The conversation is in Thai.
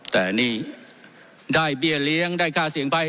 แต่นี่ได้เบี้ยเลี้ยงได้ค่าเสี่ยงภัย